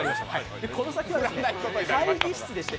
この先は、会議室でして、